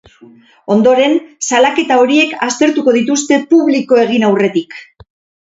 Ondoren, salaketa horiek aztertuko dituzte publiko egin aurretik.